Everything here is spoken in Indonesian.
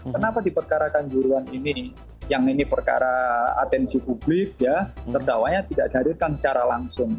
kenapa diperkarakan juruan ini yang ini perkara atensi publik ya terdakwanya tidak dihadirkan secara langsung